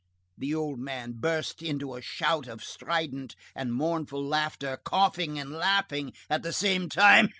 The old man burst into a shout of strident and mournful laughter, coughing and laughing at the same time.